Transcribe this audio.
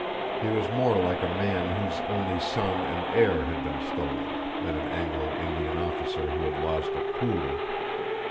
He was more like a man whose only son and heir had been stolen than an Anglo Indian officer who had lost a poodle.